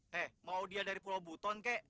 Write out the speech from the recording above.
hei mau dia dari pulau buton kek